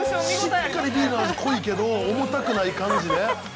◆しっかりビールの味濃いけど、重くない感じね。